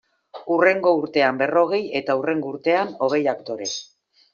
Hurrengo urtean berrogei, eta hurrengo urtean hogei aktore.